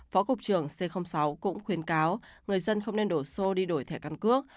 phó cục trưởng c sáu cũng khuyến cáo người dân không nên đổ xô đi đổi thẻ căn cước